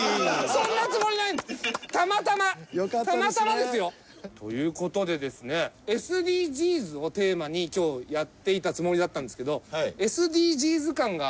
そんなつもりないたまたまたまたまですよ。という事でですねＳＤＧｓをテーマに今日やっていたつもりだったんですけどＳＤＧｓ感があまり出てないという事で。